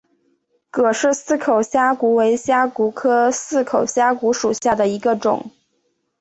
葛氏似口虾蛄为虾蛄科似口虾蛄属下的一个种。